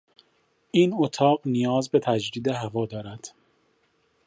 این اتاق نیاز به تجدید هوا دارد.